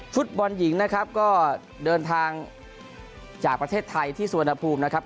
ฟุตบอลหญิงนะครับก็เดินทางจากประเทศไทยที่สุวรรณภูมินะครับ